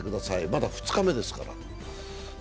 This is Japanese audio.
まだ２日目ですから。